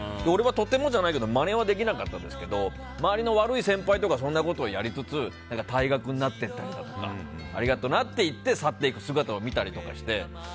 俺はとてもじゃないけどまねは出来なかったですけど周りの悪い先輩とかはそんなことをやりつつ退学になってったりだとかありがとなって言って去っていく姿を見たりして。